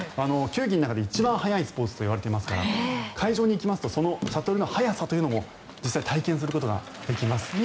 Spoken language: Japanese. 球技の中で一番速いスポーツといわれていますから会場に行きますとシャトルの速さというのも実際、体験することができます。